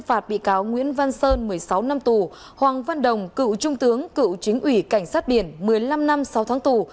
phạt bị cáo nguyễn văn sơn một mươi sáu năm tù hoàng văn đồng cựu trung tướng cựu chính ủy cảnh sát biển một mươi năm năm sáu tháng tù